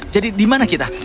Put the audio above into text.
jadi dimana kita